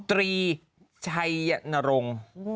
ตรีชัยนรงค์